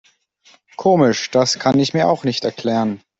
Komisch, das kann ich mir auch nicht erklären.